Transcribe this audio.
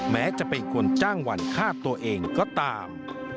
แม้จะเป็นคนจ้างวันฆ่าตัวเองก็ตาม